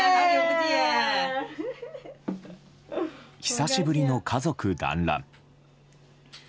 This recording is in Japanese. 久しぶりの家族団らん。